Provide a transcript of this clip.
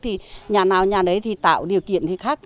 thì nhà nào nhà đấy thì tạo điều kiện thì khác